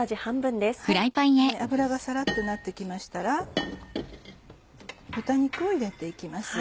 油がサラっとなって来ましたら豚肉を入れて行きます。